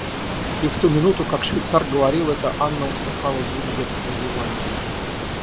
И в ту минуту, как швейцар говорил это, Анна услыхала звук детского зеванья.